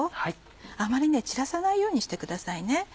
あまり散らさないようにしてくださいね。